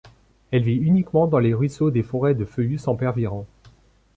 Elle vit uniquement dans les ruisseaux des forêts de feuillus sempervirents.